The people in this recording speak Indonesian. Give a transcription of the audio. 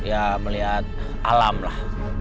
ya melihat alam lah